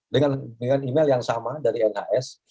dengan email yang sama dari nhs